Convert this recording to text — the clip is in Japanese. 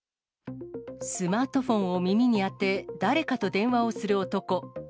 スマートフォンを耳に当て、誰かと電話をする男。